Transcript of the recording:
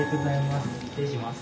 失礼します。